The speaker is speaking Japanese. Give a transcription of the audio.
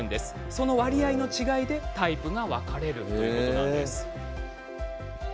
その割合の違いでタイプが分かれるんです。